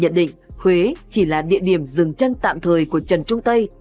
nhận định huế chỉ là địa điểm dừng chân tạm thời của trần trung tây